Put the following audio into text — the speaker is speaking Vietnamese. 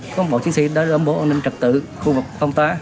công bộ chiến sĩ đã đảm bố an ninh trật tự khu vực phong tỏa